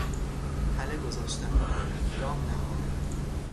تله گذاشتن، دام نهادن